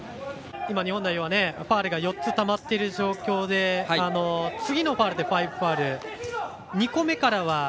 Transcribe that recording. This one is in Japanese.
日本代表はファウルが４つたまっている状況で次のファウルで５ファウル。